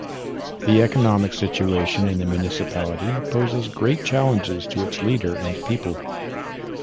The economic situation in the municipality poses great challenges to its leader and people.